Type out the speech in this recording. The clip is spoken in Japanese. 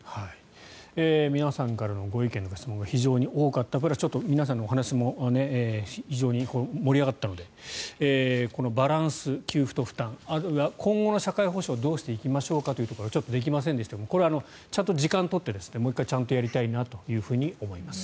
皆さんからのご意見・質問が非常に多かったからちょっと皆さんのお話も非常に盛り上がったのでバランス、給付と負担あるいは今後の社会保障をどうしていきましょうかというところはできませんでしたがこれはちゃんと時間を取ってもう１回ちゃんとやりたいと思います。